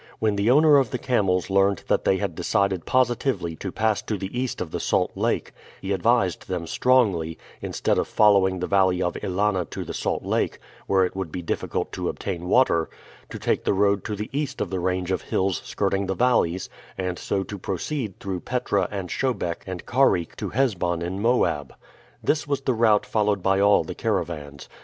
When the owner of the camels learned that they had decided positively to pass to the east of the Salt Lake, he advised them strongly, instead of following the valley of Ælana to the Salt Lake, where it would be difficult to obtain water, to take the road to the east of the range of hills skirting the valleys, and so to proceed through Petra and Shobek and Karik to Hesbon in Moab. This was the route followed by all the caravans.